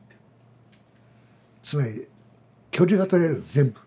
つまり距離が取れる全部。